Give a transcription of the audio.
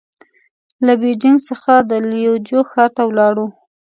له بېجينګ څخه د ليوجو ښار ته ولاړو.